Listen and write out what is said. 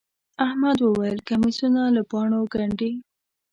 احمد وويل: کمیسونه له پاڼو گنډي.